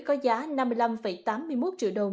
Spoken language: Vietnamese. có giá năm mươi năm tám mươi một triệu đồng